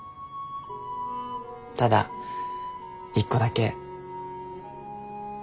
ただ一個だけ。